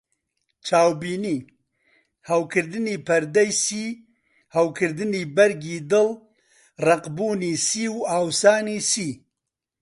چاوبینی: هەوکردنی پەردەی سی، هەوکردنی بەرگی دڵ، ڕەقبوونی سی و ئاوسانی سی.